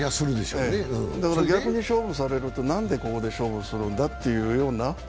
だから逆に勝負されるとなんでここで勝負するんだというような。